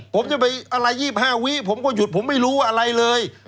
ผมจะไปอะไร๒๕วิผมก็หยุดผมไม่รู้อะไรเลย